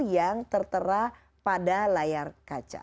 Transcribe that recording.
yang tertera pada layar kaca